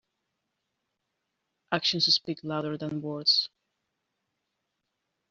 Actions speak louder than words.